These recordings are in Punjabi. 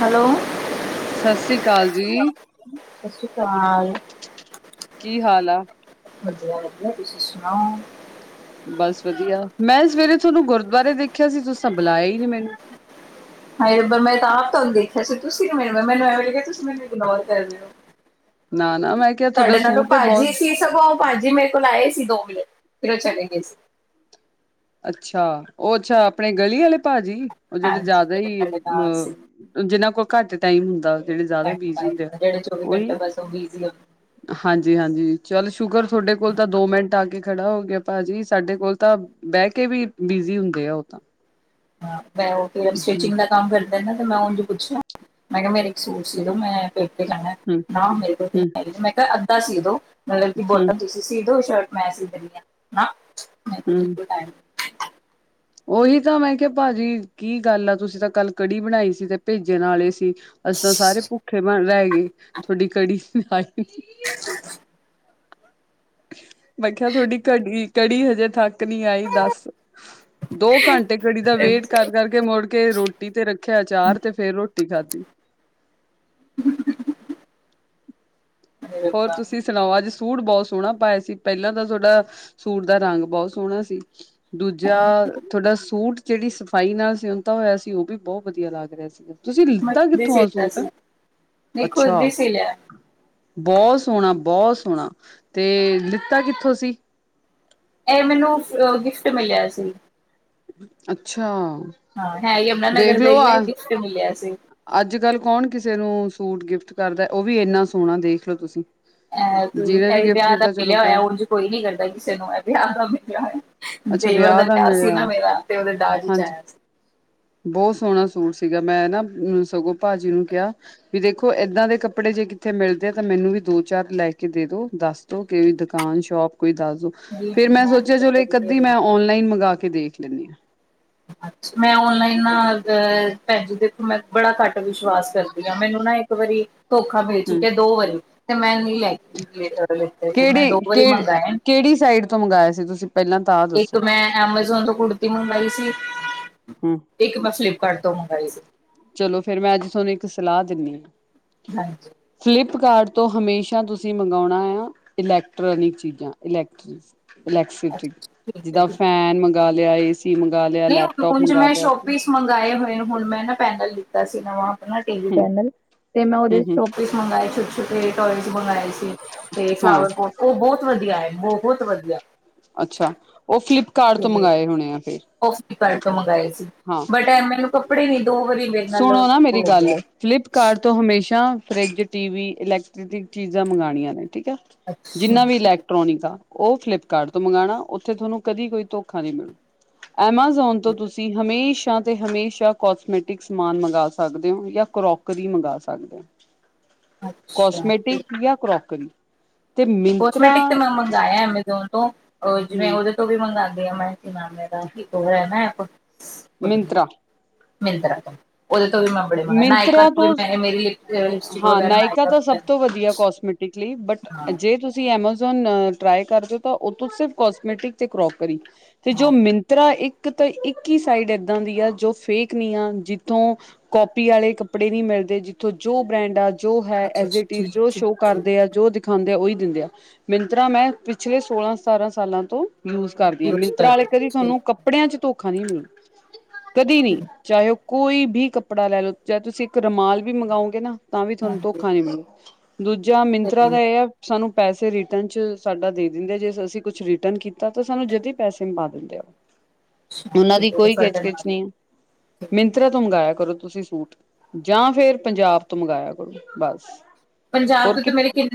ਹੈਲੋ ਸਤਿ ਸ੍ਰੀ ਆਕਾਲ। ਸਤਿ ਸ੍ਰੀ ਅਕਾਲ ਕੀ ਹਾਲ ਆ? ਵਧੀਆ-ਵਧੀਆ, ਤੁਸੀਂ ਸੁਣਾਓ? ਬਸ ਵਧੀਆ ਮੈਂ ਸਵੇਰੇ ਤੁਹਾਨੂੰ ਗੁਰਦੁਆਰੇ ਦੇਖਿਆ ਸੀ, ਤੁਸੀਂ ਤਾਂ ਬੁਲਾਇਆ ਹੀ ਮੈਨੂੰ ਹਾਏ ਰੱਬਾ ਮੈਂ ਤਾਂ ਆਪ ਤੁਹਾਨੂੰ ਦੇਖਿਆ ਸੀ, ਤੁਸੀਂ ਮੈਨੂੰ-ਮੈਨੂੰ ਐਵੇਂ ਲੱਗਿਆ, ਤੁਸੀਂ ਮੈਨੂੰ ਇਗਨੋਰ ਕਰ ਰਹੇ ਹੋ? ਨਾ-ਨਾ ਮੈਂ ਕਿਹਾ ਤੁਹਾਡਾ ਤੁਹਾਡੇ ਨਾਲ ਤਾਂ ਸੂਟ ਏ ਬਹੁਤ ਭਾਜੀ ਸੀ ਸਗੋਂ, ਭਾਜੀ ਮੇਰੇ ਕੋਲ ਆਏ ਸੀ, ਦੋ ਮਿਲੇ ਫੇਰ ਉਹ ਚਲੇ ਗਏ ਸੀ। ਅੱਛਾ ਉਹ ਅੱਛਾ ਆਪਣੇ ਗਲੀ ਵਾਲੇ ਭਾਜੀ ਉਹ ਜਿਹੜੇ ਹਾਂਜੀ ਜ਼ਿਆਦਾ ਹੀ ਤੁਹਾਡੇ ਨਾਲ ਸੀ ਅ ਜਿਨਾਂ ਕੋਲ ਘੱਟ ਟਾਈਮ ਹੁੰਦਾ ਜਿਹੜੇ ਜ਼ਿਆਦਾ ਘੱਟ ਬਿਜੀ ਹੁੰਦੇ ਆ ਨਾਲ, ਜਿਹੜੇ ਘੰਟੇ ਉਹੀ ਬਸ ਉਹ ਬਿਜ਼ੀ ਹੁੰਦੇ ਹਾਂਜੀ ਹਾਂਜੀ ਚੱਲ ਸ਼ੁਕਰ ਤੁਹਾਡੇ ਕੋਲ ਤਾਂ ਦੋ ਮਿੰਟ ਆ ਕੇ ਖੜਾ ਹੋ ਗਿਆ ਭਾਜੀ ਸਾਡੇ ਕੋਲ ਤਾਂ। ਬਹਿ ਕੇ ਵੀ ਬਿਜੀ ਹੁੰਦੇ ਆ ਉਹ ਤਾਂ। ਹਾਂ ਮੈਂ ਉਹ ਫਰ ਹੂੰ, ਸਟਿਚਿੰਗ ਦਾ ਕੰਮ ਕਰਦਾ ਨਾ ਤੇ ਮੈਂ ਉਹ ਪੁੱਛਿਆ ਮੈਂ ਕਿਹਾ ਮੇਰੇ ਇੱਕ ਸੂਟ ਸੀ ਮੈਂ ਹੂੰ, ਨਾ ਮੇਰੇ ਹੂੰ, ਕੋਲ ਮੈਂ ਕਿਹਾ ਅੱਧਾ ਸੀ ਦੋ ਮਤਲਬ ਹੂੰ, ਬੋਟਮ ਤੁਸੀਂ ਸੀਧੋ ਸ਼ਰਟ ਮੈਂ ਸੀ ਦਿੰਦੀ ਹਾਂ ਪਰ ਹੂੰ। ਨਹੀਂ ਉਹੀ ਤਾਂ ਮੈਂ ਕਿਹਾ ਭਾਜੀ ਕੀ ਗੱਲ ਆ ਤੁਸੀਂ ਤਾਂ ਕੱਲ ਕੜੀ ਬਣਾਈ ਸੀ ਤੇ ਭੇਜਣ ਵਾਲੇ ਸੀ ਅਸੀਂ ਤਾਂ ਸਾਰੇ ਭੁੱਖੇ ਬਣ ਰਹਿ ਗਏ ਤੁਹਾਡੀ ਕੜੀ ਹੱ ਮੈਂ ਕਿਹਾ ਤੁਹਾਡੀ ਕੜੀ ਕੜੀ ਹਜੇ ਤਕ ਨਹੀਂ ਆਈ ਦੱਸ ਦੋ ਘੰਟੇ ਕੜੀ ਦਾ ਵੇਟ ਕਰ ਕਰ ਮੁੜ ਕੇ ਰੋਟੀ ਤੇ ਰੱਖਿਆ, ਅਚਾਰ ਤੇ ਫੇਰ ਰੋਟੀ ਖਾਧੀ। ਹੂੰ, ਹੋਰ ਤੁਸੀਂ, ਸੁਣਾਓ ਅੱਜ ਸੂਟ ਬਹੁਤ ਸੋਹਣਾ ਪਾਇਆ ਸੀ, ਪਹਿਲਾਂ ਤਾਂ ਤੁਹਾਡਾ ਸੂਟ ਦਾ ਰੰਗ ਬਹੁਤ ਸੋਹਣਾ ਸੀ। ਦੂਜਾ ਤੁਹਾਡਾ ਸੂਟ ਜਿਹੜੀ ਸਫ਼ਾਈ ਨਾਲ ਸਿਉਂਦਾ ਹੋਇਆ ਸੀ, ਉਹ ਵੀ ਬਹੁਤ ਵਧੀਆ ਲੱਗ ਰਿਹਾ ਸੀਗਾ। ਤੁਸੀਂ ਮੈਂ ਲਿੱਤਾ ਦੇ ਕਿੱਥੋਂ ਆ ਸੀਤਾ ਸੂਟ ਸੀ ਨਹੀਂ ਖੁਦ ਦੀ ਅੱਛਾ, ਸੀ ਲਿਆ ਬਹੁਤ ਸੋਹਣਾ ਬਹੁਤ ਸੋਹਣਾ ਤੇ ਲਿੱਤਾ ਕਿੱਥੋਂ ਸੀ। ਇਹ ਮੈਨੂੰ ਗਿਫਟ ਮਿਲਿਆ ਸੀ। ਅੱਛਾ, ਹਾਂ, ਹੀ ਯਮਨਾ ਨਗਰ ਦਾਈ ਹੈ ਗਿਫਟ ਮਿਲਿਆ ਸੀ। ਅੱਜ-ਕੱਲ ਕੌਣ ਕਿਸੇ ਨੂੰ ਸੂਟ ਗਿਫਟ ਕਰਦਾ ਉਹ ਵੀ ਇੰਨਾ ਸੋਹਣਾ ਦੇਖਲਓ ਤੁਸੀਂ, ਅ ਜਿਹਨੇ ਵੀ ਇਹ ਗਿਫਟ ਵਿਆਹ ਦਾ ਕੀਤਾ ਚਲੋ ਮਿਲਿਆ ਹੋਇਆ, ਬਹੁਤ ਉਝ ਕੋਈ ਨੀ ਕਰਦਾ ਕਿਸੇ ਨੂੰ ਇਹ ਵਿਆਹ ਦਾ ਮਿਲਿਆ ਹੋਇਆ। ਦੇਵਰ ਦਾ ਵਿਆਹ ਸੀ, ਨਾ ਮੇਰਾ ਤੇ ਉਹਦੇ ਦਾਜ ਚ ਹਾਂਜੀ ਆਇਆ ਸੀ। ਬਹੁਤ ਸੋਹਣਾ ਸੂਟ ਸੀਗਾ, ਮੈਂ ਨਾ ਸਗੋਂ ਭਾਜੀ ਨੂੰ ਕਿਹਾ, ਵੀ ਦੇਖੋ ਐਦਾਂ ਦੇ ਕੱਪੜੇ ਜੇ ਕਿੱਥੇ ਮਿਲਦੇ ਤਾਂ ਮੈਨੂੰ ਵੀ ਦੋ ਚਾਰ ਲੈ ਕੇ ਦੇ ਦੋ ਦੱਸ। ਤੋਂ ਕਿ ਵੀ ਦੁਕਾਨ ਸ਼ੋਪ ਕੋਈ ਦੱਸ ਦੋ, ਜੀ, ਫੇਰ ਮੈਂ ਸੋਚਿਆ ਚਲੋ ਇੱਕ ਅੱਧੀ ਮੈਂ ਔਨਲਾਈਨ ਮੰਗਵਾ ਕੇ ਦੇਖ ਲੈਂਦੀ ਹਾਂ। ਮੈਂ ਔਨਲਾਈਨ ਨਾ ਅ ਭੇਜ ਦਿੱ ਮੈਂ ਬੜਾ ਘੱਟ ਵਿਸ਼ਵਾਸ ਕਰਦੀ ਹਾਂ, ਮੈਨੂੰ ਨਾ ਇੱਕ ਵਾਰੀ, ਧੋਖਾ ਮਿਲ ਹਮ ਚੁੱਕਿਆ ਦੋ ਵਾਰੀ ਤੇ ਮੈਂ ਨਹੀਂ ਲੈ ਲਤੇ ਸੀ, ਮੈਂ ਕਿਹੜੀ ਦੋ ਵਾਰੀ ਕਿ ਮੰਗਵਾਏ। ਕਿਹੜੀ ਸਾਈਡ, ਤੋਂ ਮੰਗਵਾਏ ਸੀ ਤੁਸੀਂ? ਪਹਿਲਾਂ ਤਾਂ, ਇੱਕ ਦੱਸੋ? ਮੈਂ ਐਮਾਜ਼ੋਨ ਤੋਂ ਕੁੜਤੀ ਮੰਗਵਾਈ ਸੀ। ਹੂੰ। ਇੱਕ ਮੈਂ ਫਲਿੱਪਕਾਰਟ ਤੋਂ ਮੰਗਵਾਈ ਸੀ। ਚਲੋ ਫੇਰ ਮੈਂ, ਅੱਜ ਤੁਹਾਨੂੰ ਇੱਕ ਸਲਾਹ ਦਿੰਦੀ ਹਾਂ। ਹਾਂਜੀ ਫਲਿੱਪਕਾਰਟ ਤੋਂ ਹਮੇਸ਼ਾ ਤੁਸੀਂ ਮੰਗਵਾਉਣਾ ਐ- ਇਲੈਕਟ੍ਰੋਨਿਕ ਚੀਜ਼ਾਂ ਇਲੈਕਟ੍ਰ ਅੱਛਾ ਠੀਕ ਹੈ ਜਿੱਦਾਂ ਠੀਕ। ਫੈਨ ਮੰਗ ਲਿਆ ਏਸੀ ਮੰਗ ਲਿਆ ਲੈਪਟੋਪ ਮੰਗਾ ਲਿਆ ਮੰਗਾਂਏ ਹੋਏ ਆ ਹੁਣ ਮੈਂ ਨਾ ਪੈਨਲ ਲਿੱਤਾ ਸੀ ਨਵਾਂ ਆਪਣਾ ਟੀਵੀ ਪੈਨਲ ਤੇ ਮੈਂ ਉਹਦੇ ਹੂੰ-ਹੂੰ। ਸ਼ੋਪੀਸ [inaudible] ਹਾਂ ਉਹ ਬਹੁਤ ਵਧੀਆ ਹੈ ਬਹੁਤ ਵਧੀਆ ਅੱਛਾ ਉਹ ਫਲਿੱਪਕਾਰਟ ਤੋਂ ਮੰਗਵਾਏ ਹੋਣੇ ਆ ਫਿਰ ਫਿਲਿਪਕਾਰਟ [unintelligible] ਤੋਂ ਮੰਗਾਏ ਸੀ। ਹਾਂ ਬਟ ਮੈਨੂੰ ਕੱਪੜੇ ਨੀ ਦੋ ਵਾਰੀ ਮੇਰੇ ਨਾਲ ਸੁਣੋ ਨਾ ਮੇਰੀ ਹੋ ਗੱਲ ਗਿਆ ਫਲਿੱਪਕਾਰਟ ਤੋਂ ਹਮੇਸ਼ਾ ਫਰਿਜ ਟੀਵੀ ਇਲੈਕਟ੍ਰਿਕ ਚੀਜ਼ਾਂ ਮੰਗਾਣੀਆਂ ਨੇ ਠੀਕ ਹੈ। ਅੱਛਾ ਜਿੰਨਾ ਵੀ ਲੈ ਟੋਨਿਕਾ ਉਹ ਫਲਿੱਪਕਾਰਟ ਤੋਂ ਮੰਗਾਣਾ ਉੱਥੇ ਤੁਹਾਨੂੰ ਕਦੀ ਕੋਈ ਧੋਖਾ ਨਹੀ ਮਿਲੂ ਐਮਾਜ਼ੋਨ ਤੋਂ ਤੁਸੀਂ, ਤੁਸੀਂ ਹਮੇਸ਼ਾ ਤੇ ਹਮੇਸ਼ਾ ਕੋਸਮੈਟਿਕ ਸਮਾਨ ਮੰਗਵਾ ਸਕਦੇ ਹੋ, ਜਾਂ ਕਰੋਕਰੀ ਮੰਗਵਾ ਸਕਦੇ ਹੋ, ਅੱਛਾ ਕਸਮੈਟਿਕ ਜਾਂ ਕਰੋਕਰੀ, ਤੇ ਮਿੰਤਰਾ ਕੋਸਮੈਟਿਕ ਤੇ ਮੈਂ ਮੰਗਿਆ ਐਮਾਜੋਨ ਤੋਂ, ਉਹ ਜਿਵੇਂ ਹਮ ਉਹਦੇ ਤੋਂ ਵੀ ਮੰਗਵਾਉਂਦੀ ਆ ਮੈਂ ਨਾਾਮੇ ਦਾ ਹੀ ਹੈ, ਨਾ ਕੁ ਮਿੰਤਰਾ ਮਿੰਤਰਾ ਉਹਦੇ ਤੋਂ ਵੀ ਮੈਂ ਬੜੇ ਮੰਗ ਨਾਇਕਾ ਤੋਂ ਵੀ ਮੈਂ ਮੇ ਹਾਂ ਨਾਇਕਾ ਤਾਂ ਸਭ ਵੈ ਤੋਂ ਵਧੀਆ ਕੋਸਮੈਟਿਕ ਬਟ ਜੇ ਤੁਸੀਂ ਜੀ ਐਮਾਜ਼ੋਨ ਟਰਾਏ ਕਰਦੇ ਹੋ ਤਾਂ ਉਥੋ ਸਿਰਫ ਕੋਸਮੇਟਿਕ ਤੇ ਕਰੋਕਰੀ ਤੇ ਜੋ ਹਾਂ ਮ ਤ੍ਹਾਂ ਇੱਕ ਤੋਂ ਇੱਕ ਹੀ ਸਾਈਡ ਏਦਾਂ ਦੀ ਆ ਜੋ ਫੇਕ ਨੀ ਆ ਜਿੱਥੋਂ ਕੋਪੀ ਆਲੇ ਕੱਪੜੇ ਨੀ ਮਿਲਦੇ ਜਿੱਥੋਂ ਜੋ ਬ੍ਰੈਂਡ ਆ ਜੋ ਹੈ ਅੱਛਾ ਐਜ ਅੱਛਾ ਇਟ ਇਜ਼ ਠੀਕ ਜੋ ਠੀਕ ਸ਼ੋ ਠੀਕ ਕਰਦੇ ਆ ਜੋ ਖਾਂਦਿਆਂ ਉਹੀ ਦਿੰਦ ਆ ਮਿੰਤਰਾ ਮੈਂ ਪਿਛਲੇ ਸੋਲਾਂ ਸਤਾਰਾਂ ਸਾਲਾਂ ਤੋਂ ਯੂਜ ਕਰਦੀਆਂ ਯੂਜ਼ ਕਰ ਮਿੰਤਰਾਂ ਆਲੇ ਲਓ ਕਦੀ ਠੀਕ ਤੁਹਾਨੂੰ ਕ ਹੈ, ਕੱਪੜਿਆਂ ਚ ਧੋਖਾ ਨਹੀਂ ਕਦੀ ਨਹੀਂ ਠੀਕ ਹੈ, ਚਾਹੇ ਉਹ ਕੋਈ ਵੀ ਕੱਪੜੇ ਕੱਪੜਾ ਲੈ ਲਓ ਜ ਤੁਸੀਂ ਇੱਕ ਰੁਮਾਲ ਵੀ ਮੰਗਾਓਗੇ ਨਾ ਤਾਂ ਵੀ ਤੁਹਾਨੂੰ ਹਾਂਜੀ ਧੋਖਾ ਨੀ ਮਲੇ ਦੂਜਾ ਮਿੰਤਰਾ ਤੇ ਦਾ ਇਹ ਆ ਸਾਨੂੰ ਪੈਸੇ ਰਿਟਰਨ ਚ ਸਾਡਾ ਦੇ ਦਿੰਦੇ ਜੇ ਅਸੀਂ ਕੁਛ ਰਿਟਰਨ ਕੀਤਾ ਤਾਂ ਸਾਨੂੰ ਜਦ ਪੈਸੇ ਪਾ ਦਿੰਦੇ ਆ ਅੱਛਾ ਉਹਨਾਂ ਦੀ ਠੀਕ ਹੈ ਕੋਈ ਰਿਫੰਡ ਖਿਚਕਿਚ ਨਾ ਦਿਓ ਨਹੀਂ ਆ ਠੀਕ। ਮਿੰਤਰਾ ਤੋਂ ਮੰਗਾਇਆ ਕਰੋ ਤੁਸੀਂ ਸੂਟ ਜਾਂ ਫੇਰ ਪੰਜਾਬ ਤੋਂ ਮੰਗਾਇਆ ਕਰੋ ਬਸ। ਪੰਜਾਬ ਚ ਤੇ ਮੇਰੇ ਕਿ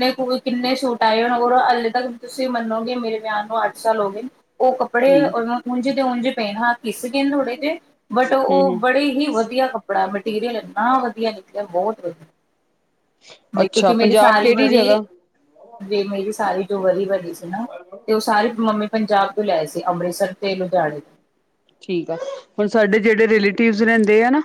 ਕਿੰਨੇ ਸੂਟ ਆਏ ਹੋਣ ਔਰ ਹਾਲੇ ਤੱਕ ਤੁਸੀਂ ਮੰਨੋਗੇ ਮੇਰੇ ਵਿਆਹ ਨੂੰ ਅੱਠ ਸਾਲ ਹੋ ਗਏ ਉਹ ਕੱਪੜੇ ਹਮ ਉਂਝੇ ਦੇ ਉਂਝੇ ਪੈਣ ਹ ਕਿਸ ਗ ਨੇ ਥੋੜੇ ਜ ਬਟ ਹਮ ਉਹ ਹਮ ਬੜੇ ਹੀ ਵਧੀਆ ਕੱਪ ਮਟੀਰੀਅਲ ਇੰਨਾ ਵਧੀਆ ਨਿਕਲਿਆ ਬਹੁਤ ਵਧੀਆ ਮੈਂ ਅੱਛਾ ਕਿਉਂਕਿ ਮੇਰੀ ਪੰਜਾਬ ਸਾਰੀ ਕਿਹੜੀ ਵਰੀ ਜਗ੍ਹਾ ਜ ਮੇਰੀ ਸਾਰੀ ਜੋ ਵਰੀ ਬਣੀ ਸੀ ਨਾ ਤੇ ਉਹ ਸਾਰੀ ਮੰਮੀ ਪੰਜਾਬ ਤੋਂ ਲਿਆਏ ਸੀ ਅੰਮ੍ਰਿਤਸਰ ਤੇ ਲੁਧਿਆਣੇ ਤੋਂ ਠੀਕ ਆ ਹੁਣ ਸਾਡੇ ਜਿਹੜੇ ਰਲੇਟਿਵ ਰਹਿੰਦੇ ਆ ਨਾ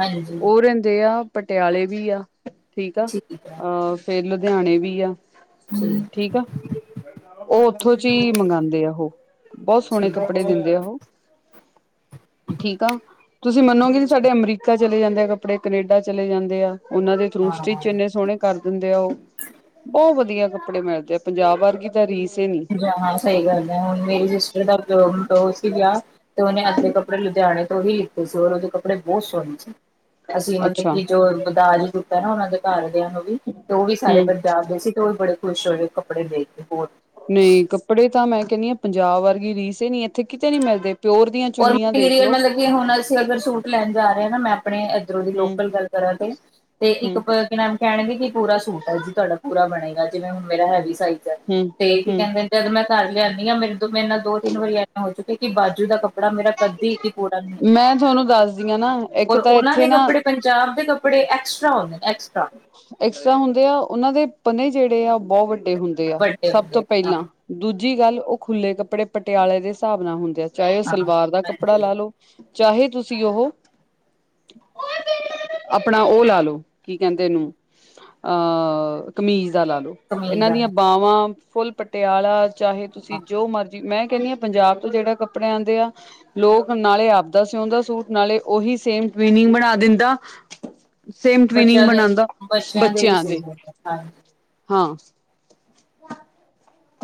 ਹਾਂਜੀ ਉਹ ਰਹਿੰਦੇ ਆ ਪਟਿਆਲੇ ਵੀ ਆ ਠੀਕ ਆ ਠੀਕ ਹੈ ਅਹ ਫੇਰ ਲੁਧਿਆਣੇ ਵੀ ਆ [unintelligible] ਠੀਕ ਆ ਉਹ ਉੱਥੋਂ ਚ ਹੀ ਮੰਗਾਂਦੇ ਆ ਉਹ ਬਹੁਤ ਸੋਹਣੇ ਕੱਪੜੇ ਠੀਕ ਦਿੰਦੇ ਆ ਉਹ ਠੀਕ ਆ ਤੁਸੀਂ ਮੰਨੋਗੇ ਨੀ ਸਾਡੇ ਅਮਰੀਕਾ ਚਲੇ ਜਾਂਦੇ ਆ ਕੱਪੜੇ ਕਨੇਡਾ ਚਲੇ ਜਾਂਦੇ ਆ ਉਹਨਾਂ ਦੇ ਥਰੂ ਸਟਿਚ ਇੰਨੇ ਹਾਂ ਸੋਹਣੇ ਕਰ ਦਿੰਦੇ ਆ ਉਹ ਬਹੁਤ ਵਧੀਆ ਕੱਪੜੇ ਮਿਲਦੇ ਆ ਪੰਜਾਬ ਵਰਗੀ ਤਾਂ ਰੀਸ ਈ ਨੀ ਹਾਂ ਸਹੀ ਗੱਲ ਹੈ ਹੁਣ ਮੇਰੀ ਸਿਸਟਰ ਦਾ [unintelligible] ਸੀ ਗਿਆ ਤੇ ਉਹਨੇ ਅੱਧੇ ਕੱਪੜੇ ਕੱਪੜੇ ਲੁਧਿਆਣੇ ਤੋਂ ਹੀ ਲਿੱਤੇ ਸੀ ਉਹਦੇ ਕਪੜੇ ਬਹੁਤ ਸੋਹਣੇ ਸੀ। ਅਸੀਂ ਮਤਲਬ ਅੱਛਾ ਕਿ, ਜੋ ਬਦਾਜ ਕੁੱੜਤਾ ਨਾ ਉਹਨਾਂ ਦੇ ਘਰਦਿਆਂ ਨੂੰ ਤੇ ਉਹ ਵੀ ਸਾਰੇ ਹਮ ਪੰਜਾਬ ਦੇ ਸੀ। ਤੇ ਉਹ ਵੀ ਬੜੇ ਖੁਸ਼ ਹੋਏ ਕੱਪੜੇ ਦੇਖ ਕੇ, ਬੋਤ ਨਹੀਂ, ਕੱਪੜੇ ਤਾਂ ਮੈਂ ਕਹਿੰਦੀ ਹਾਂ ਪੰਜਾਬ ਵਰਗੀ ਰੀਸ ਨੀ। ਇੱਥੇ ਕਿਤੇ ਨੀ ਮਿਲਦੇ ਪਿਓਰ ਦੀਆਂ ਪਰ ਚੁੰਨੀਆਂ ਮਟੀਰੀਅਲ, ਦੇਖਲੋ ਮਤਲਬ ਹੁਣ ਅਸੀ ਅਗ ਸੂਟ ਲੈਣ ਜਾ ਰਹੇ ਹਾਂ। ਨਾ ਮੈਂ ਆਪਣੇ ਇਧਰੋਂ ਦੀ ਹਮ ਲੋਕਲ ਗੱਲ ਕਰਾਂ ਤੇ ਤੇ ਇੱਕ ਹਮ ਪਰਖ ਨਾਲ ਕਹਿਣਗੇ ਕਿ ਪੂਰਾ ਸੂਟ ਹੈ ਜੀ ਤੁਹਾਡਾ ਪੂਰਾ ਬਣੇਗਾ ਜਿਵੇਂ ਹੁਣ ਮੇਰਾ ਹੈਵੀ ਸਾਈਜ਼ ਹਮ ਤੇ ਕੀ ਹਮ ਕਹਿੰਦੇ, ਜਦ ਮੈਂ ਘਰ ਲਿਆਦੀ ਹਾਂ, ਮੇਰੇ-ਮੇਰੇ ਨਾਲ ਦੋ-ਤਿੰਨ ਵਾਰੀ ਐਦਾ ਹੋ ਚੁੱਕਾ, ਕਿ ਬਾਜੂ ਦਾ ਕੱਪੜਾ ਕੱਪੜਾ ਮੇਰਾ ਕੱਦੀ ਵੀ ਪੂਰਾ ਨਹੀਂ ਹੁੰਦਾ, ਮੈਂ ਤੁਹਾਨੂੰ ਦੱਸਦੀ ਹਾਂ ਨਾ ਇੱਕ ਔਰ ਤਾਂ ਉਹਨਾਂ ਇੱਥੇ ਦੇ ਨਾ ਕੱਪੜੇ ਪ ਪੰਜਾਬ ਦੇ ਕੱਪੜੇ, ਐਕਸਟਰਾ ਹੁੰਦੇ ਨੇ ਐਕਸਟਰਾ ਐਕਸਟਰਾ ਹੁੰਦੇ ਆ, ਉਹਨਾਂ ਦੇ ਪਨੇ ਜਿਹੜੇ ਆ ਬਹੁਤ ਵੱਡੇ ਹੁੰਦੇ ਆ, ਵੱਡੇ ਸਭ ਤੋਂ ਹੁੰਦੇ ਹਾਂ ਪਹਿਲਾਂ ਦੂਜੀ ਗੱਲ, ਉਹ ਖੁੱਲੇ ਕੱਪੜੇ ਪਟਿਆਲੇ ਦੇ ਹਿਸਾਬ ਨਾਲ ਹੁੰਦੇ ਆ, ਚਾਹੇ ਉਹ ਹਾਂ ਸਲਵਾਰ ਦਾ ਕੱਪੜਾ ਹਾਂਜੀ ਲੈ ਲਓ ਚਾਹੇ ਤੁਸੀਂ ਉਹ, ਆਪਣਾ ਉਹ ਲਾ ਲੋ ਕੀ ਕਹਿੰਦੇ ਇਹਨੂੰ, ਅਹ ਕਮੀਜ਼ ਦਾ ਲਾ ਲੋੋ, ਕਮੀਜ਼ ਇਹਨਾਂ ਵਾਲੇ ਦੀਆਂ ਬਾਵਾਂ ਫੁੱਲ ਪਟਿਆਲਾ ਚਾਹੇ ਹਾਂ ਤੁਸੀਂ ਜੋ ਮਰਜੀ, ਮੈਂ ਕਹਿੰਦੀ ਆ ਪੰਜਾਬ ਤੋਂ ਜਿਹੜਾ ਕੱਪੜੇ ਆਉਂਦੇ ਆ। ਲੋਕ ਨਾਲੇ ਆਪਦਾ ਸਿਉਂਦਾ ਸੂਟ ਨਾਲੇ ਉਹੀ ਸੇਮ ਟਵਨਿੰਗ ਬਣਾ ਦਿੰਦਾ ਸੇਮ ਟ੍ਰੀਨਿੰਗ ਬੱਚਿਆਂ ਦੇ ਬਣਾਂਦਾ ਵੀ ਬੱਚਿਆਂ ਸੀ ਦੇ ਹਾਂਜੀ ਹਾਂ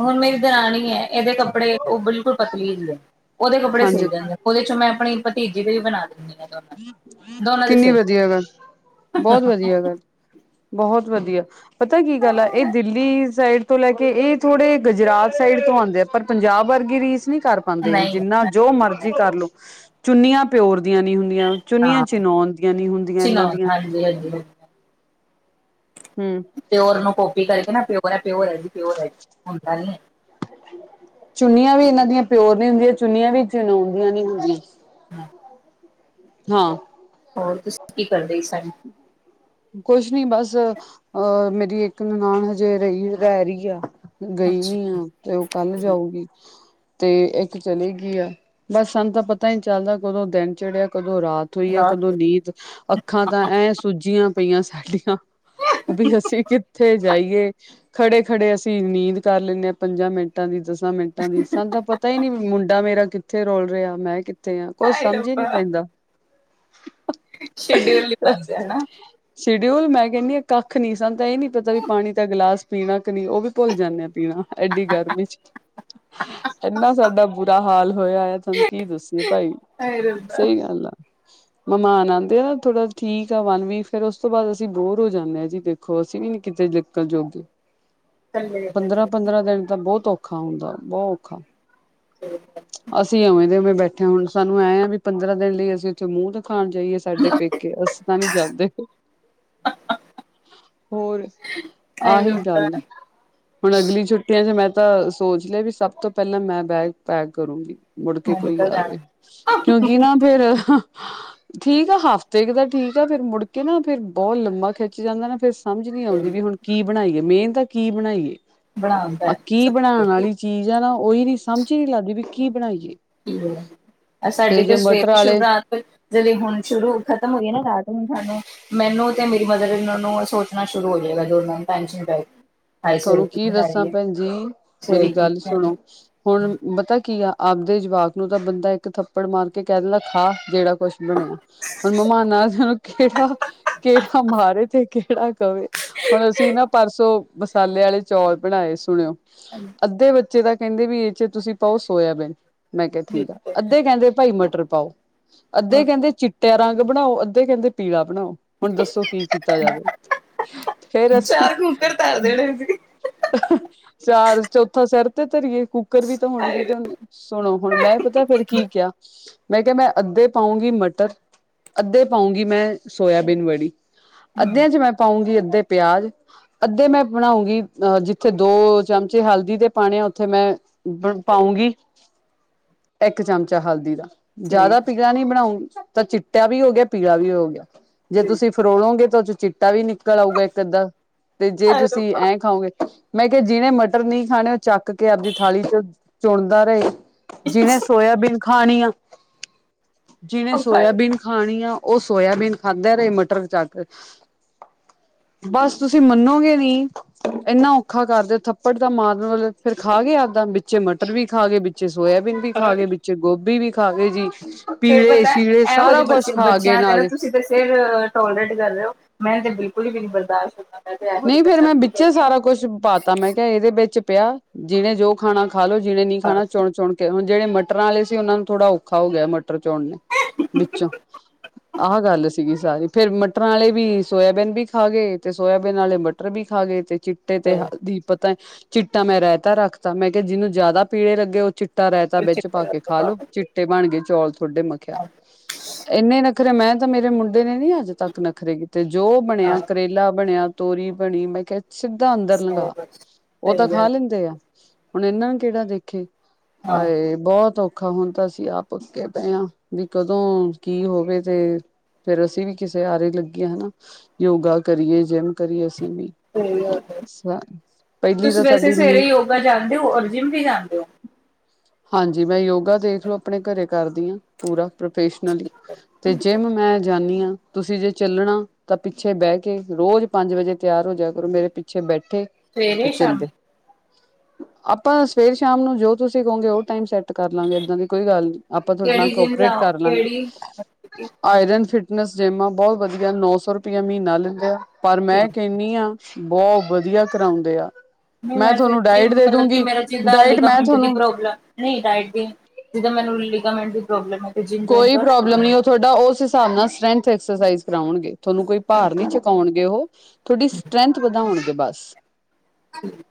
ਹੁਣ ਮੇਰੀ ਦਰਾਣੀ ਹੈ ਇਹਦੇ ਕੱਪੜੇ ਉਹ ਬਿਲਕੁਲ ਪਤਲੀ ਜੀ ਐ ਉਹਦੇ ਕੱਪੜੇ ਹਾਂਜੀ ਸਿੱਲ ਜਾਂਦੇ ਉਹਦੇ ਚੋਂ ਮੈਂ ਆਪਣੀ ਭਤੀਜੀ ਦੇ ਵੀ ਬਣਾ ਦਿੰਤੇ ਕਿੰਨੀ ਵਧੀਆ ਗੱਲ ਬਹੁਤ ਵਧੀਆ ਗੱਲ ਬਹੁਤ ਵਧੀਆ, ਪਤਾ ਕੀ ਗੱਲ ਆ ਇਹ ਦਿੱਲੀ ਸਾਈਡ ਤੋਂ ਲੈਕੇ, ਇਹ ਥੋੜੇ ਗੁਜਰਾਤ ਸਾਈਡ ਤੋਂ ਆਉਂਦੇ ਆ, ਪਰ ਪੰਜਾਬ ਵਰਗੀ ਰੀਸ ਨਹੀਂ ਕਰ ਪਾਉਂਦੇ ਨੀ, ਨਹੀਂ ਜਿੰਨਾ ਹਾਂ ਜੋ ਮਰਜ਼ੀ ਕਰਲੋ, ਚੁੰਨੀਆਂ ਪਿਓਰ ਦੀਆਂ ਨੀ ਹੁੰਦੀਆਂ। ਚੁੰਨੀਆਂ ਚਿੰਨੋਨ ਦੀਆਂ ਨੀ ਹੁੰਦੀਆਂ ਇਹਨਾਂ ਚਿਨੋਨ ਦੀਆਂ ਹਾਂਜੀ ਹਾਜੀ [unintelligible] ਪਿਓਰ ਨੂੰ ਕੋਪੀ ਕਰਕੇ ਨਾ ਕੇ ਪਿਓਰ ਹੈ ਪਿਓਰ ਹੈ ਜੀ ਪਿਓਰ ਹੈ ਜੀ ਹੁੰਦਾ ਨੀ ਐ। [inaudible] ਚੁੰਨੀਆਂ ਵੀ ਇਹਨਾਂ ਦੀਆਂ ਪਿਓਰ ਨੀ ਹੁੰਦੀਆਂ। ਚੁੰਨੀਆਂ ਵੀ ਚਿੰਨੋਨ ਦੀਆਂ ਨੀ ਹੁੰਦੀਆਂ। ਹਾ ਹਾਂ ਹੋਰ ਤੁਸੀਂ ਕੀ ਕਰਦੇ ਸਨ ਕੁਛ ਨੀ ਬਸ। ਅਹ ਮੇਰੀ ਇੱਕ ਨੰਨਾਣ ਹਜੇ ਰਹੀ ਰਹਿ ਰਹੀ ਐ। ਗਈ ਨੀ ਅੱਛਾ ਓ, ਤੇ ਉਹ ਕੱਲ ਜਾਊਗੀ। ਤੇ ਇੱਕ ਚਲੀ ਗਈ ਆ। ਬਸ ਸਾਨੂੰ ਤਾਂ ਪਤਾ ਹੀ ਚੱਲਦਾ ਕਦੋਂ ਦਿਨ ਚੜ੍ਹਿਆ ਕਦੋਂ ਰਾਤ ਸੋਈ ਆ ਰਾਤ ਕਦੋਂ ਨੀਂਦ, ਅੱਖਾਂ ਤਾਂ ਐਂ ਸੂਜੀਆਂ ਪਈਆਂ। ਸਾਡੀਆਂ ਅਭੀ, ਅਸੀਂ ਕਿੱਥੇ ਜਾਈਏ। ਖੜੇ ਖੜੇ ਅਸੀਂ ਨੀਂਦ ਕਰ ਲੈਂਦੇ ਆ ਪੰਜਾਂ ਮਿੰਟਾਂ ਵਿੱਚ ਦਸਾਂ ਮਿੰਟਾਂ ਵਿੱਚ ਸਾਨੂੰ ਤੇ ਪਤਾ ਪਤਾ ਹੀ ਨੀ ਮੁੰਡਾ ਮੇਰਾ ਕਿੱਥੇ ਰੋਲ ਰਿਹਾ ਮੈਂ ਕਿੱਥੇ ਆਕੁਛ ਹਾਏ ਸਮਝ ਹੀ ਨੀ ਰੱਬਾ ਪੈਂਦਾ। ਸ਼ਡਊਲ ਨੀ ਬਣਦਿਆ ਨਾ। ਸ਼ਡਿਊਲ ਮੈਂ ਕਹਿੰਦੀ ਹਾਂ ਕੱਖ ਨੀ, ਸਾਨੂੰ ਤਾਂ ਇਹ ਨੀ ਪਤਾ ਵੀ, ਪਾਣੀ ਦਾ ਗਿਲਾਸ ਪੀਣਾ ਕਿ ਨਹੀਂ। ਉਹ ਵੀ ਭੁੱਲ ਜਾਂਦੇ ਆ ਪੀਣਾ। ਐਡੀ ਗਰਮੀ ਚ, ਇਨਾ ਸਾਡਾ ਬੁਰਾ ਹਾਲ ਹੋਇਆ ਆ। ਤੁਹਾਨੂੰ ਨੂੰ ਕੀ ਦੱਸੀਏ ਭਾਈ, ਹਾਏ ਰੱਬਾ ਸਹੀ ਗੱਲ ਆ। ਮਹਿਮਾਨ ਆਉਂਦੇ ਆ। ਥੋੜਾ ਠੀਕ ਆ ਵਨ ਵੀਕ, ਫੇਰ ਉਸ ਤੋਂ ਬਾਅਦ ਅਸੀਂ ਬੋਰ ਹੋ ਜਾਂਦੇ ਹਾਂ। ਜੀ ਦੇਖੋ, ਅਸੀਂ ਵੀ ਨੀ ਕਿਤੇ ਨਕਲ ਜੋਗੇ ਪੰਦਰਾਂ ਪੰਦਰਾਂ ਦਿਨ ਤਾਂ ਬਹੁਤ ਔਖਾ ਹੁੰਦਾ, ਬਹੁਤ ਔਖਾ। [unintelligible] ਅਸੀਂ ਉਵੇਂ ਦੇ ਉਵੇਂ ਬੈਠੇ, ਹੁਣ ਸਾਨੂੰ ਐ ਆ ਵੀ ਪੰਦਰਾਂ ਦਿਨ ਲਈ ਅਸੀਂ ਉੱਥੇ ਮੂੰਹ ਦਿਖਾਉਣ ਜਾਈਏ ਸਾਡੇ ਪੇ ਕੇ ਅਸੀ ਤਾਂ ਨਹੀਂ ਜਾਂਦੇ। ਹੋਰ ਆਹੀ ਗੱਲ। ਹੁਣ ਅਗਲੀ ਛੁੱਟੀਆਂ ਚ ਮੈਂ ਤਾਂ ਸੋਚ ਲਿਆ ਵੀ ਸਭ ਤੋਂ ਪਹਿਲਾਂ ਮੈਂ ਬੈਗ ਪੈਕ ਕਰੂੰਗੀ। ਮੁੜ ਕੇ ਮੈਂ ਕੋਈ ਨਿਕਲ ਜਾਣਾ ਆਵੇ। ਕਿਉਂਕਿ ਨਾ ਫੇਰ, ਠੀਕ ਐ ਸਭ ਤੇਗ ਦਾ ਠੀਕ ਆ ਫੇਰ, ਮੁੜਕੇ ਨਾ ਫੇਰ ਬਹੁਤ ਲੰਬਾ ਖਿੱਚ ਜਾਂਦਾ ਨਾ ਫ਼ਿਰ, ਸਮਝ ਨੀ ਆਉਂਦੀ ਵੀ ਹੁਣ ਕੀ ਬਣਾਈਏ, ਮੇਨ ਤਾਂ ਕੀ ਬਣਾਈਏ? ਆ ਬਣਾਉਂਦਾ ਕੀ ਸਭ ਬਣਾਉਣ ਕੁਝ ਵਾਲੀ ਚੀਜ਼ ਆ ਨਾ, ਉਹੀ ਨ ਸਮਝ ਹੀ ਨਹੀਂ ਲੱਗਦੀ ਵੀ ਕੀ ਬਣਾਈਏ। ਆ ਸਾਡੇ ਫੇਰ ਤੇ ਜੇ ਸਵੇਰੇ ਮਟਰ ਸ਼ੁਭ ਆਲੇ ਰਾਤ ਜਦ ਹੁਣ ਸ਼ੁਰੂ ਖਤਮ ਹੋਈਏ ਨਾ ਰਾਤ ਨੂੰ ਸਾਨੂੰ ਮੈਨੂੰ ਤੇ ਮੇਰੀ ਮਦਰ ਏਨ ਲਾ ਨੂੰ ਸੋਚਣਾ ਸ਼ੁਰੂ ਹੋ ਜਾਏਗਾ ਜਦੋ ਮੈਂ ਟੈਂਸ਼ਨ ਪੇ ਗਏ ਤੁਹਾਨੂੰ ਕੀ ਦੱਸਾਂ ਭੈਣ ਜੀ ਮੇਰੀ ਸਵੇਰੇ ਕੀ ਗੱਲ ਸੁਣੋ ਬਣਾਈਏ। ਹੁਣ ਪਤਾ ਕੀ ਆ ਆਪਦੇ ਜਵਾਕ ਨੂੰ ਤਾਂ ਬੰਦਾ ਇੱਕ ਥੱਪੜ ਮਾਰ ਕੇ ਕਹਿ ਦਿੰਦਾ ਖਾ ਜਿਹੜਾ ਬਸ ਬਨਾ ਹੂਨ ਮਹਿਮਾਨ ਆ ਜਾਵੇ ਤੇ ਕਹਰਾ ਮਾਰੇ ਤੇ ਕੇਹੜਾ ਕਹਵੇ ਹੁਣ ਅਸੀਂ ਨਾ ਪਰਸੋਂ ਮਸਾਲੇ ਆਲੇ ਚੌਲ਼ ਬਣਾਏ ਸੁਣਿਓਂ ਅੱਧੇ ਬੱਚੇ ਕਹਿੰਦੇ ਵੀ ਇਹ ਚ ਤੁਸੀਂ ਪਾਓ ਸੋਇਆਬੀਨ, ਮੈਂ ਕਿਹਾ ਠੀਕ ਐ। ਅੱਧੇ ਕਹਿੰਦੇ ਭਾਈ ਮਟਰ ਪਾਓ। ਅੱਧੇ ਕਹਿੰਦੇ ਚਿੱਟਿਆਂ ਰੰਗ ਬਣਾਓ ਅੱਧੇ ਕਹਿੰਦੇ ਪੀਲਾ ਬਣਾਓ ਹੁਣ ਦੱਸੋ ਕੀ ਕੀਤਾ ਜਾਵੇ ਫਰ ਅਸੀਂ ਘਰ ਦੇ ਲਏ ਸੀ ਚਾਰ ਚੌਥਾ ਸਿਰ ਤੇ ਧਰੀਏ, ਕੁੂੱਕਰ ਵੀ ਤਾਂ ਹੋਣੇ ਹਾਏ ਚਾਹੀਦੇ ਉਹ ਨੇ ਸੁਣੋ ਹੁਣ ਮੈਂ ਪਤਾ ਫੇਰ ਕੀ ਕਿਹਾ। ਮੈਂ ਕਿਹਾ ਮੈਂ ਅੱਧੇ ਪਾਊਂਗੀ ਮਟਰ ਅੱਧੇ ਪਾਊਂਗੀ, ਮੈਂ ਸੋਇਆਬੀਨ ਵੜੀ। ਅੱਧਿਆਂ ਚ ਮੈਂ ਪਾਊਂਗੀ ਅੱਧੇ ਪਿਆਜ ਅੱਧੇ ਮੈਂ ਬਣਾਉਂਗੀ। ਅ ਜਿੱਥੇ ਦੋ ਚਮਚੇ ਹਲਦੀ ਦੇ ਪਾਣੇ ਆ ਉੱਥੇ ਮੈਂ ਪਾਊਂਗੀ। ਇੱਕ ਚਮਚਾ ਹਲਦੀ ਦਾ ਠੀਕ ਜ਼ਿਆਦਾ ਪੀਲਾ ਨਹੀਂ ਬਣਾਉ ਤਾਂ ਚਿੱਟਾ ਵੀ ਹੋ ਗਿਆ ਪੀਲਾ ਵੀ ਹੋ ਗਿਆ ਜੇ ਤੁਸੀਂ ਫਰੋਲੋਗੇ ਤਾਂ ਚੋਂ ਚਿੱਟਾ ਵੀ ਨਿਕਲ ਆਊਗਾ ਇਕ ਅੱਧਾ ਦੇ ਹਾਏ ਤੁਸੀਂ ਰੱਬਾ ਖਾਉਗੇ ਮੈਂ ਕਿਹਾ ਜਿਹਨੇ ਮਟਰ ਨਹੀਂ ਖਾਣੇ ਉਹ ਚੱਕ ਕੇ ਆਪਦੀ ਥਾਲੀ ਚ ਚੁਣਦਾ ਰਹੇ ਜਿਹਨੇ ਸੋਇਆਬੀਨ ਖਾਣੀ ਆ ਜਿਹਨੇ ਉਹ ਖਾ ਸੋਇਆਬੀਨ ਖਾਣੀ ਆ ਉਹ ਸੋਇਆਬੀਨ ਖਾਂਦੇ ਰਹੇ ਮਟਰ ਚੱਕ ਬਸ ਤੁਸੀਂ ਮੰਨੋਗੇ ਨੀ ਇੰਨਾ ਔਖਾ ਕਰਦੇ ਥੱਪੜ ਤਾਂ ਮਾਰਨ ਵਾਲ ਫੇਰ ਖਾਗੇ ਆਪਦਾ ਵਿੱਚੇ ਮਟਰ ਵੀ ਖਾ ਗਏ ਵਿੱਚੇ ਸੋਇਆਬੀਨ ਵੀ ਖਾਗੇ ਵਿੱਚ ਗੋਭੀ ਵੀ ਖਾ ਗੇ ਜੀ ਫਿਰ ਪੀਲੇ ਪਤਾ ਸ਼ੀਲੇ ਇਹੋ ਸਾਰਾ ਜਿਹੇ ਕੁਛ ਬੱਚੇ ਖਾਗੇਏ ਬੱਚਿਆਂ ਤੇ ਨਾ ਨਾਲ ਤੁਸੀਂ ਤੇ ਫਿਰ ਟੋਲਰੇਟ ਕਰ ਰਹੇ ਹੋ ਮੈਂ ਤੇ ਬਿਲਕੁਲ ਹੀ ਵੀ ਨੀ ਬਰਦਾਸ਼ਤ ਹੁੰਦਾ ਮੈਂ ਤੇ ਇਹੋ ਜਿਹੇ ਨਹੀਂ ਫੇਰ ਬੱਚਿਆਂ ਮੈਂ ਨੂੰ ਕੀ ਵਿੱਚੇ ਕਹਿੰਦੀ ਸਾਰਾ ਕੁਛ ਪਾ ਤਾ ਮੈਂ ਕਿਹਾ ਇਦੇ ਵਿੱਚ ਪਿਆ ਜਿਹਨੇ ਜੋ ਖਾਨਾ ਖਾ ਲੋ ਜਿਹਨੇ ਨੀ ਖਾਣਾ ਚੁਣ ਚੁਣ ਤੇ ਹੁਣ ਜਿਹੜੇ ਮਟਰਾਂ ਆਲੇ ਸੀ ਉਹਨਾਂ ਨੂੰ ਥੋੜ੍ਹਾ ਔਖਾ ਹੋ ਗਿਆ ਮਟਰ ਚੋਣਨੇ ਵਿੱਚੋਂ ਆਹਾ ਗੱਲ ਸੀਗੀ ਸਾਰੀ ਫੇਰ ਮਟਰਾਂ ਆਲੇ ਵੀ ਸੋਇਆਬੀਨ ਵੀ ਠਾਗੇ ਤੇ ਸੋਇਆਬੀਨ ਨਾਲੇ ਮਟਰ ਵੀ ਖਾ ਗਏ ਤੇ ਚਿੱਟੇ ਤੇ ਹਾਂ। ਦੀ ਪਤਾ ਨੀ ਚਿੱਟਾ ਮੈਂ ਰਹਿਤਾ ਰੱਖਤਾ ਮੈਂ ਕਿਹਾ ਜਿਹਨੂੰ ਜ਼ਿਆਦਾ ਪੀੜੇ ਲੱਗੇ ਉਹ ਚਿੱਟਾ ਰਹਿਤਾ ਵਿੱਚ ਪਾ ਕੇ ਖਾ ਹਾਂ ਲੋ ਚਿੱ ਟੇ ਬਣ ਗਏ ਚੌਲ ਤੁਹਾਡੇ ਮ ਕਿਆ ਹਾਂ, ਇੰਨੇ ਨਖਰੇ ਮੈਂ ਤਾਂ ਮੇਰੇ ਮੁੰਡੇ ਨੇ ਨੀ ਅੱਜ ਤੱਕ ਨਖਰੇ ਕੀਤੇ ਜੋ ਬਣਿਆ ਕਰੇਲਾ ਬਣਿਆ ਤੋਰੀ ਬਣੀ ਮੈਂ ਕਿਹਾ ਸਿੱਧਾ ਅੰਦਰ ਸੋ ਲੰਘਾ ਬਸ ਉਹ ਤਾਂ ਸਹੀ ਖਾ ਗੱਲ ਲੈਂਦੇ ਆ ਹੁਣ ਇਹਨਾਂ ਨੂੰ ਕਿਹੜਾ ਦੇਖੇ ਹਾਂ ਹਾਏ ਰੇ ਬਹੁਤ ਔਖਾ ਹੁਣ ਤਾਂ ਅਸੀਂ ਆਪ ਅੱਕੇ ਪਏ ਆਂ ਬੀ ਕਦੋਂ ਕੀ ਹੋਵੇ ਤੇ ਫੇਰ ਅਸੀਂ ਵੀ ਕਿਸੇ ਆਰੇ ਲੱਗੀਏ ਹਨਾ ਯੋਗਾ ਕਰੀਏ, ਜਿਮ ਕਰੀਏ ਅਸੀਂ ਵੀ ਸਹੀ ਗੱਲ ਹੈ। ਪਹਿਲੀ ਤਾਂ ਤੁਸੀਂ ਵੈਸੇ ਸਾਡੀ ਸਵੇਰੇ ਨੀ ਯੋਗਾ ਜਾਂਦੇ ਹੋ ਔਰ ਜਿਮ ਵੀ ਜਾਂਦੇ ਹੋ ਹਾਂਜੀ ਮੈਂ ਯੋਗਾ ਦੇਖਲਓ ਆਪਣੇ ਘਰੇ ਕਰਦੀ ਹਾਂ ਪੂਰਾ ਪ੍ਰੋਫੈਸ਼ਨਲੀ ਤੇ ਜਿੰਮ ਮੈਂ ਜਾਂਨੀ ਆਂ ਤੁਸੀਂ ਜੇ ਚਲਣਾ ਤਾਂ ਪਿੱਛੇ ਬਹਿ ਕੇ ਰੋਜ ਪੰਜ ਵਜੇ ਤਿਆਰ ਹੋ ਜਿਆ ਕਰੋ ਮੇਰੇ ਪਿੱਛੇ ਬੈਠੇ ਤੇ ਸਵੇਰੇ ਚੱਲਦੇ ਸ਼ਾਮੀ ਆਪਾਂ ਤਾਂ ਸਵੇਰੇ ਸ਼ਾਮ ਨੂੰ ਜੋ ਗੇ ਉਹ ਟਾਈਮ ਸੈੱਟ ਕਰ ਲਾਂਗੇ ਏਦਾਂ ਦੀ ਕੋਈ ਗੱਲ ਨੀ ਆਪਾਂ ਤੁਹਾਡੇ ਨਾਲ ਕਿਹੜੀ ਜਿੰਮ ਕੋਪਰੇਟ ਜਾਓ ਕਰ ਲਾਂਗੇ ਕਿਹੜੀ ਮਤਲਬ ਕਿ ਆਇਰਨ ਫਿਟਨੈਸ ਜੇਮ ਆ ਬਹੁਤ ਵਧੀਆ ਨੌ ਸੌ ਰੁਪਇਆ ਮਹੀਨਾ ਲੈਂਦੇ ਪਰ ਮੈਂ ਠੀਕ ਕਹਿਣੀ ਅਂ ਬਹੁਤ ਵਧੀਆ ਕਰਾਉਂਦੇ ਆ। ਨਹੀਂ ਮੈਂ ਫਿਰ ਤੁਹਾਨੂੰ ਜਿਮ ਡਾਇਟ ਦੇ ਦੂੰਗੀ ਡਾਇਟ ਮੈਂ ਤੁਹਾਨੂੰ ਨੀ ਡਾਇਟ ਦੀ ਨੀ ਜਿੱਦਾ ਮੈਨੂੰ ਲਿਗਾਮੈਂਟ ਦੀ ਪ੍ਰੋਬਲਮ ਹੈ ਤੇ ਜਿੰਮ ਜੁਆਇਨ ਕੋਈ ਕਰ ਸਕਦੇ ਪ੍ਰੋਬਲਮ ਹਾਂ। ਨਹੀਂ ਤੁਹਾਡਾ ਉਸ ਹਿਸਾਬ ਨਾਲ ਸਟਰੈਂਥ ਐਕਸਰਸਾਈਜ਼ ਕਰਾਉਣਗੇ ਤੁਹਾਨੂੰ ਕੋਈ ਭਾਰ ਨਹੀਂ ਚੁਕਾਉਣਗੇ ਉਹ ਤੁਹਾਡੀ ਸਟਰ੍ਰੈਂਥ ਵਧਾਉਣਗੇ ਬਸ ਠੀਕ [unintelligible]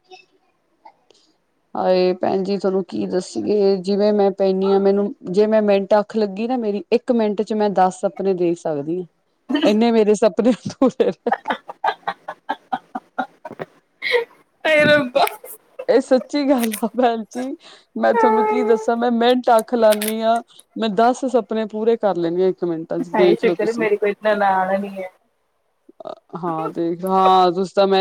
ਹਾਏ ਭੈਣ ਜੀ ਤੁਹਾਨੂੰ ਕੀ ਦਸੀਗੇ ਜਿਵੇਂ ਮੈਂ ਪੈਂਦੀ ਹਾਂ ਮੈਨੂੰ ਜੇ ਮੈਂ ਮਿੰਟ ਅੱਖ ਲੱਗੀ ਨਾ ਮੇਰੀ ਇੱਕ ਮਿੰਟ ਚ ਮੈਂ ਦਸ ਸਪਨੇ ਦੇਖ ਸਕਦੀ ਹਾਂ ਇੰਨੇ ਮੇਰੇ ਸਪਨੇ ਤ ਹਾਏ ਰੱਬਾ ਇਹ ਸੱਚੀ ਗੱਲ ਆ ਭੈਣ ਜੀ ਮੈਂ ਤੁਹਾਨੂੰ ਕੀ ਦੱਸਾਂ ਮੈਂ ਮਿੰਟ ਅੱਖ ਲਾਂਨੀ ਆਂ ਮੈਂ ਦੱਸ ਸਪਨੇ ਪੂਰੇ ਕਰ ਲੈਂਨੀ ਆਂ ਇੱਕ ਮਿੰਟਾਂ ਚ ਹਾਏ ਦੇਖਲੋ ਸ਼ੁਕਰ ਹੈ ਤੁਸੀਂ ਮੇਰੇ ਕੋਲ ਇਤਨਾ ਨਾਲਾ ਨਹੀਂ ਹੈ। ਹਾਂ ਤੇ ਹਾਂ ਤੁਸੀਂ ਤਾਂ ਮੈਂ।